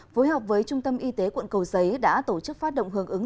phối hợp với trung tâm y tế quận cầu giấy đã tổ chức phát động hưởng ứng